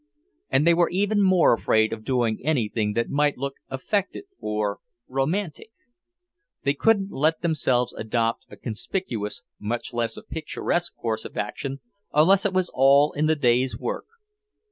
And they were even more afraid of doing anything that might look affected or "romantic." They couldn't let themselves adopt a conspicuous, much less a picturesque course of action, unless it was all in the day's work.